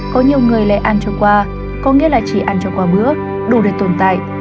có nhiều người lại ăn cho qua có nghĩa là chỉ ăn cho qua bữa đủ để tồn tại